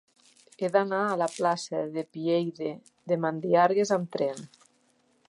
He d'anar a la plaça de Pieyre de Mandiargues amb tren.